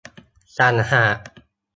ต่างหาก